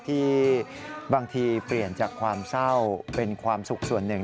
ที่บางทีเปลี่ยนจากความเศร้าเป็นความสุขส่วนหนึ่ง